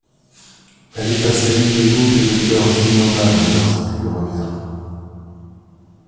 Elle est assaillie de doutes et de peurs innommables lorsqu’il lui revient.